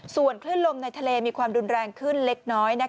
ส่วนคลื่นลมในทะเลมีความรุนแรงขึ้นเล็กน้อย